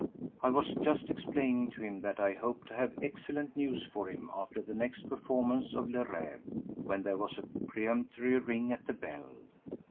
I was just explaining to him that I hoped to have excellent news for him after the next performance of Le Rêve when there was a peremptory ring at the bell.